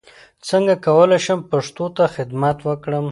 څنګه کولای شم پښتو ته خدمت وکړم